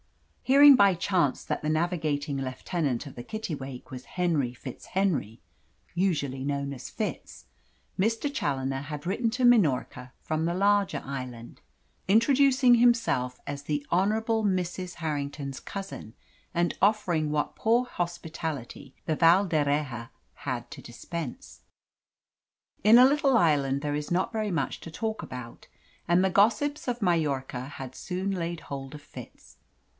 Hearing by chance that the navigating lieutenant of the Kittiwake was Henry FitzHenry usually known as Fitz Mr. Challoner had written to Minorca from the larger island, introducing himself as the Honourable Mrs. Harrington's cousin, and offering what poor hospitality the Val d'Erraha had to dispense. In a little island there is not very much to talk about, and the gossips of Majorca had soon laid hold of Fitz.